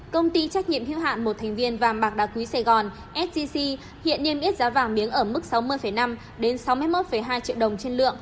công ty trách nhiệm hữu hạn một thành viên vàng bạc đá quý sài gòn sgc hiện niêm yết giá vàng miếng ở mức sáu mươi năm đến sáu mươi một hai triệu đồng trên lượng